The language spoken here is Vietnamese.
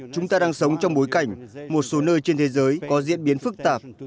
chúng ta đang sống trong bối cảnh một số nơi trên thế giới có diễn biến phức tạp